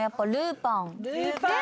ぱん。